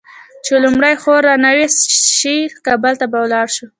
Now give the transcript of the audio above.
چې لومړۍ خور رانوې شي؛ کابل ته به ولاړ شو.